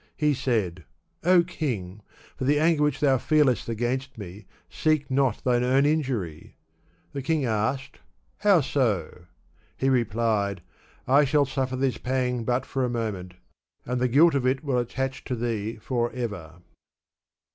He said, '' O king ! for the anger which thou feelest against me, seek not thine own injury !" The king asked, "How so?" He replied, "I shall suffer this pang but for a moment, and the guilt of it will attach to thee forever."